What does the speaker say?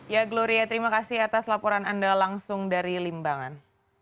ya gloria terima kasih atas laporan anda langsung dari limbangan